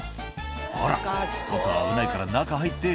「ほら外は危ないから中入って」